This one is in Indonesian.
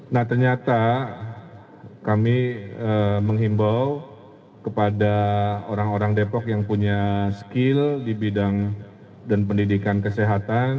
nah ternyata kami menghimbau kepada orang orang depok yang punya skill di bidang dan pendidikan kesehatan